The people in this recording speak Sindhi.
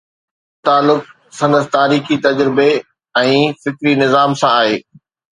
ان جو تعلق سندس تاريخي تجربي ۽ فڪري نظام سان آهي.